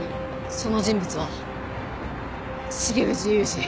その人物は重藤雄二。